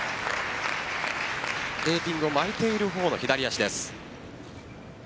テーピングを巻いている方の左足です。